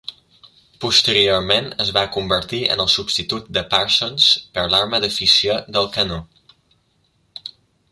Posteriorment es va convertir en el substitut de Parsons per l'arma de fissió del canó.